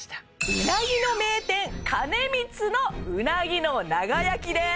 うなぎの名店兼光のうなぎの長焼きです！